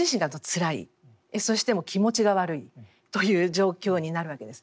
そして気持ちが悪いという状況になるわけです。